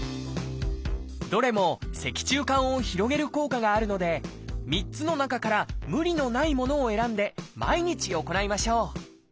どれも脊柱管を広げる効果があるので３つの中から無理のないものを選んで毎日行いましょう。